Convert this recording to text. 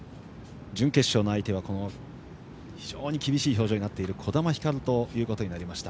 準決勝の相手は非常に厳しい表情になっている児玉ひかるとなりました。